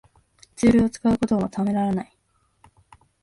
ツールを使うことをためらわない